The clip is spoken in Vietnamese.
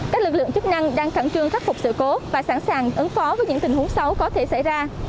các lực lượng chức năng đang khẩn trương khắc phục sự cố và sẵn sàng ứng phó với những tình huống xấu có thể xảy ra